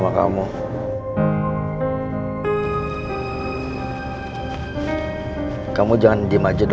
aku sudah mencoba untuk mencoba